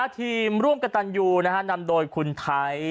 ทีมร่วมกระตานอยู่นะฮะนำโดยคุณไทย